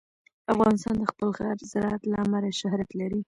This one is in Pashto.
افغانستان د خپل ښه زراعت له امله شهرت لري.